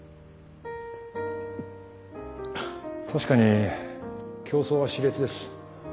確かに競争は熾烈です。